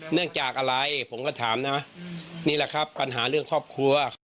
เนื่องจากอะไรผมก็ถามนะนี่แหละครับปัญหาเรื่องครอบครัว